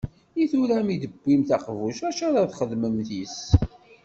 I tura mi d-tiwim taqbuct-a acu ara txedmem yis-s?